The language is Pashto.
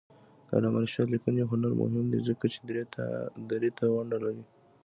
د علامه رشاد لیکنی هنر مهم دی ځکه چې دري ته ونډه لري.